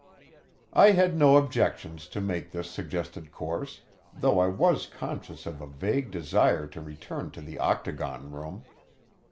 I had no objections to make to this suggested course, though I was conscious of a vague desire to return to the octagon room.